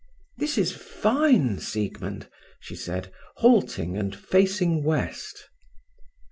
"This is fine, Siegmund!" she said, halting and facing west.